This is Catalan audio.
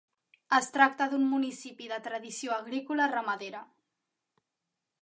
Es tracta d'un municipi de tradició agrícola-ramadera.